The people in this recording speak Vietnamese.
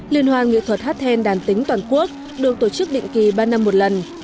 liên hoan nghệ thuật hát then đàn tính toàn quốc được tổ chức định kỳ ba năm một lần